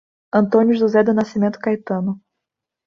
Antônio José do Nascimento Caetano